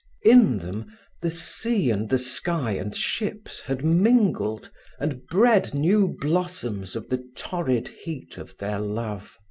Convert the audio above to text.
In them the sea and the sky and ships had mingled and bred new blossoms of the torrid heat of their love.